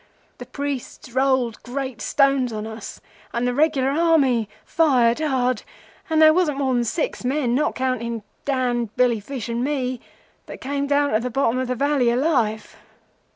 The priests rolled great stones on us, and the regular Army fired hard, and there wasn't more than six men, not counting Dan, Billy Fish, and Me, that came down to the bottom of the valley alive.